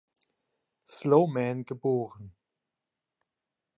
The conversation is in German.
Sloman geboren.